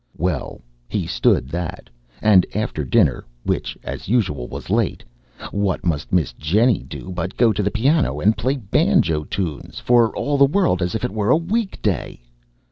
Well, he stood that, and after dinner (which, "as usual," was late), what must Miss Jennie do but go to the piano and play banjo tunes, for all the world as if it were a week day!